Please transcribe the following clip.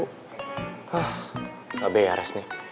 hah abe ya res nih